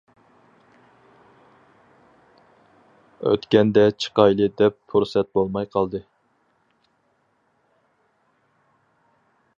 ئۆتكەندە چىقايلى دەپ پۇرسەت بولماي قالدى.